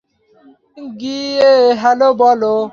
গিয়ে হ্যালো বল।